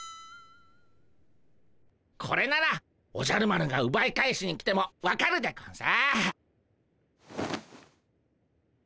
これならおじゃる丸がうばい返しに来てもわかるでゴンス。